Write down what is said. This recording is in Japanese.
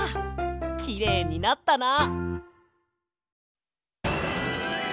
きれいになったな！